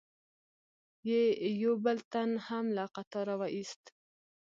یې یو بل تن هم له قطاره و ایست.